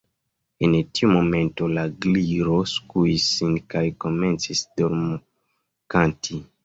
En tiu momento la Gliro skuis sin kaj komencis dormkanti.